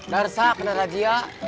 darsa beneran aja